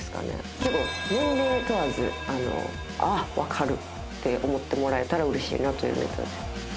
結構年齢問わずああわかるって思ってもらえたらうれしいなというネタです。